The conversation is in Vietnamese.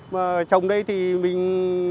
mà trồng đây thì mình